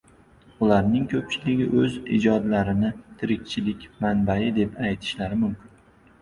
Ularning ko‘pchiligi o‘z ijodlarini tirikchilik manbai deb aytishlari mumkin.